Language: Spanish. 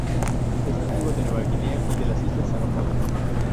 Es nativo de Nueva Guinea y de las Islas Salomón.